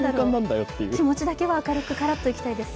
気持ちだけは明るくカラッといきたいです。